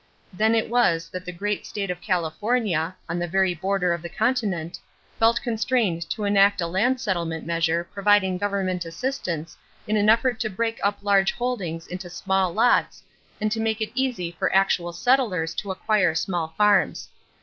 Then it was that the great state of California, on the very border of the continent, felt constrained to enact a land settlement measure providing government assistance in an effort to break up large holdings into small lots and to make it easy for actual settlers to acquire small farms.